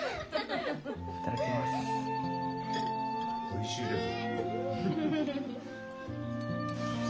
おいしいです。